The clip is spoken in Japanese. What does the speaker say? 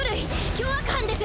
凶悪犯です！